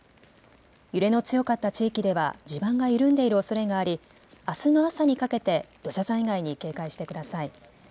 揺れの強かった地域では地盤が緩んでいるおそれがありあすの朝にかけて土砂災害に警戒してください。